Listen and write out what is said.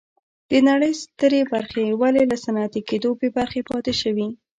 د نړۍ سترې برخې ولې له صنعتي کېدو بې برخې پاتې شوې.